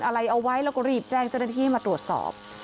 อะไรเอาไว้แล้วก็รีบแจ้งเจ้าหน้าที่มาตรวจสอบ